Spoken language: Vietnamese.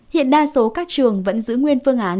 hiện đa số các trường vẫn giữ nguyên phương án